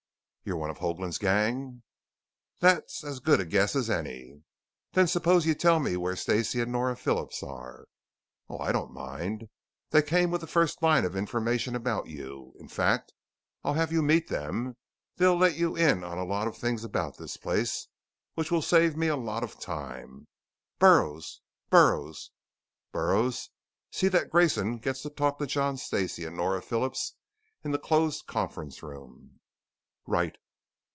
"You're one of Hoagland's gang." "That's as good a guess as any." "Then suppose you tell me where Stacey and Nora Phillips are?" "Oh, I don't mind. They came with the first line of information about you. In fact, I'll have you meet them. They'll let you in on a lot of things about this place which will save me a lot of time. Burroughs! Burroughs! Burroughs, see that Grayson gets to talk to John Stacey and Nora Phillips in the closed conference room." "Right!"